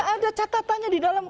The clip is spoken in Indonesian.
ada catatannya di dalam